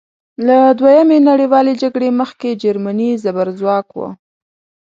له دویمې نړیوالې جګړې مخکې جرمني زبرځواک وه.